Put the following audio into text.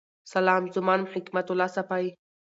سلام زما نوم حکمت الله صافی